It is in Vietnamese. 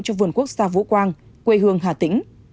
cho vườn quốc gia vũ quang quê hương hà tĩnh